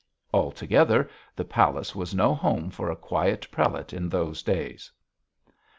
Altogether the palace was no home for a quiet prelate in those days.